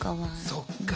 そっか。